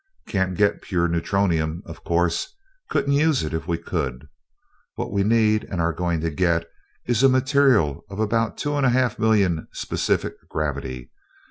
"Can't get pure neutronium, of course couldn't use it if we could. What we need and are going to get is a material of about two and a half million specific gravity.